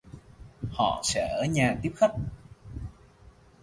Họ sẽ ở nhà tiếp khách